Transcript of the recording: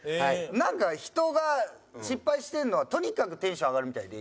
なんか人が失敗してるのがとにかくテンション上がるみたいで。